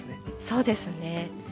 そうですね。